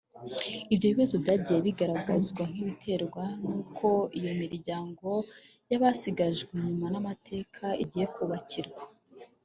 Ibyo bibazo byagiye bigaragazwa nk’ibiterwa n’uko iyo iyi miryango y’abasigajwe inyuma n’amateka igiye kubakirwa